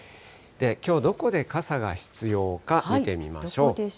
きょうどこで傘が必要か見てみましょう。